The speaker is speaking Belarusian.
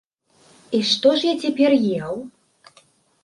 І што ж я цяпер еў?